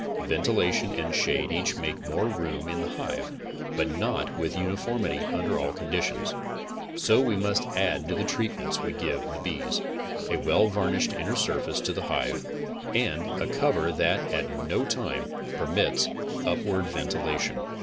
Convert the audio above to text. Ventilation and shade each make more room in the hive, but not with uniformity under all conditions: So we must add to the treatments we give the bees, a well varnished inner surface to the hive, and a cover that, at no time, permits of upward ventila tion.